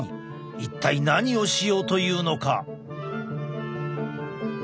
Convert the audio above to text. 一体何をしようというのか？